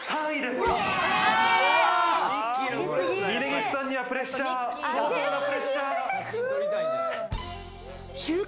峯岸さんにはプレッシャー。